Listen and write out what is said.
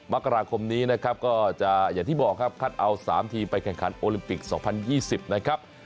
มกราคมนี้นะครับก็จะอย่างที่บอกครับคัดเอา๓ทีมไปแข่งขันโอลิมปิก๒๐๒๐นะครับ